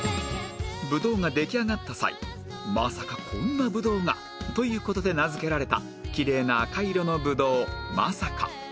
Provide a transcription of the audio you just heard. ブドウが出来上がった際「まさか！こんなブドウが！」という事で名付けられたきれいな赤色のブドウ真沙果